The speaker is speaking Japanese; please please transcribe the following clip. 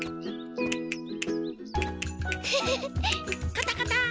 カタカター。